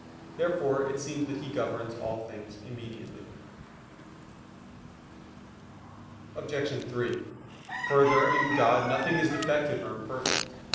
Therefore it seems that He governs all things immediately. Obj. 3: Further, in God nothing is defective or imperfect.